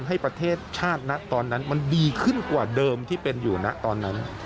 ให้ประเทศชาตินะตอนนั้นมันดีขึ้นกว่าเดิมที่เป็นอยู่นะตอนนั้น